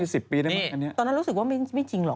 ตอนนั้นรู้สึกว่าไม่จริงหรอก